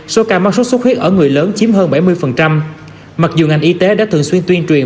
số ca mắc sốt xuất huyết ở người lớn chiếm hơn bảy mươi mặc dù ngành y tế đã thường xuyên tuyên truyền